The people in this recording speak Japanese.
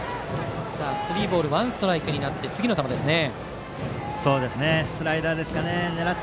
スリーボールワンストライクで次の球ですね。